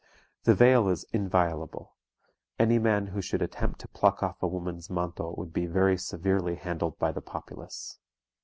The veil is inviolable; any man who should attempt to pluck off a woman's manto would be very severely handled by the populace.